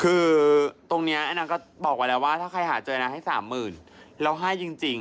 คือตรงนี้แอน่าก็บอกว่าแล้วว่าถ้าใครหาเจอแอน่าให้๓๐๐๐๐บาทเราให้จริง